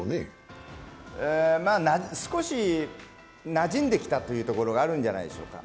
少しなじんできたというところがあるんじゃないでしょうか。